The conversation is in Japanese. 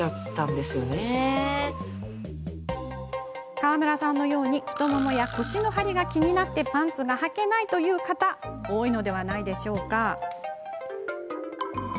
川村さんのように太ももや腰のハリが気になってパンツがはけないという方多いのではないでしょうか？